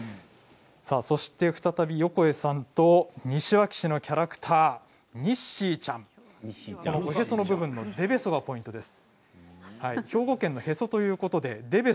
そして再び横江さんと西脇市のキャラクターにっしーちゃんおへその部分の出べそがポイントです。